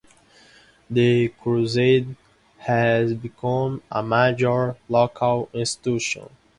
The Crusade has become a major local institution.